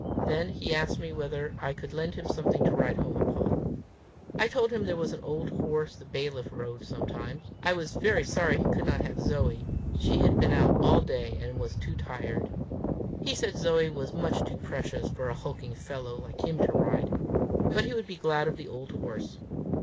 Then he asked me whether I could lend him something to ride home upon. I told him there was an old horse the bailiff rode sometimes; I was very sorry he could not have Zoe: she had been out all day and was too tired! He said Zoe was much too precious for a hulking fellow like him to ride, but he would be glad of the old horse.